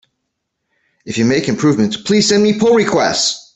If you make improvements, please send me pull requests!